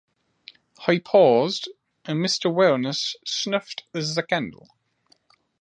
He paused, and Mr. Weller snuffed the candle.